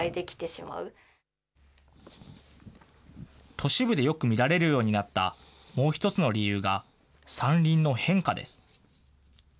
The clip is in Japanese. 都市部でよく見られるようになったもう一つの理由が、山林の変化です。